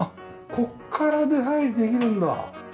ここから出入りできるんだ！